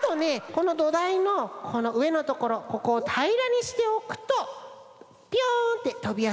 このどだいのこのうえのところここをたいらにしておくとピョンってとびやすいんだ。